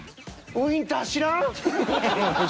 ウィンター知らん？